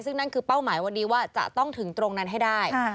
ซึ่งนั่นคือเป้าหมายวันนี้ว่าจะต้องถึงตรงนั้นให้ได้